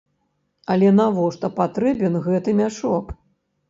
Але навошта патрэбен гэты мяшок?